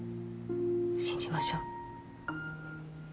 信じましょう。